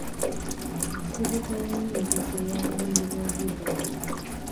Nsibuko ya nyingiza ey'abanoonyi b'obubuddamu.